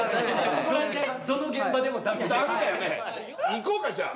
行こうかじゃあ。